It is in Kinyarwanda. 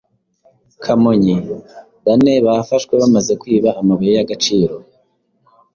Kamonyi: Bane bafashwe bamaze kwiba amabuye y’agaciro